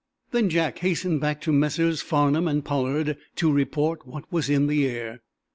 Then Jack hastened back to Messrs. Farnum and Pollard to report what was in the air.